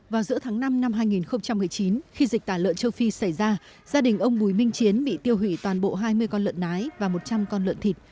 vào giữa tháng năm năm hai nghìn một mươi chín khi dịch tả lợn châu phi xảy ra gia đình ông bùi minh chiến bị tiêu hủy toàn bộ hai mươi con lợn nái và một trăm linh con lợn thịt